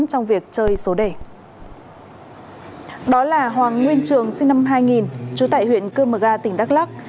trong việc chơi số đề đó là hoàng nguyên trường sinh năm hai nghìn chú tại huyện cơ mờ ga tỉnh đắk lắc